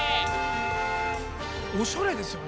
おしゃれですよね。